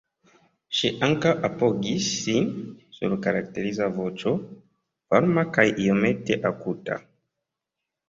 Ŝi ankaŭ apogis sin sur karakteriza voĉo, varma kaj iomete akuta.